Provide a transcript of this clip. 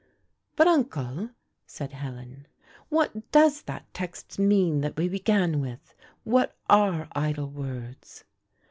"But, uncle," said Helen, "what does that text mean that we began with? What are idle words?"